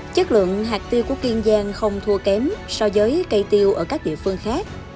chất lượng hạt tiêu của kiên giang không thua kém so với cây tiêu ở các địa phương khác